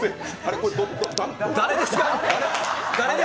誰ですか？